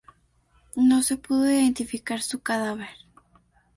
No se pudo identificar su cadáver.